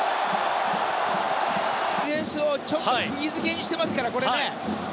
ディフェンスを釘付けにしていますからこれね。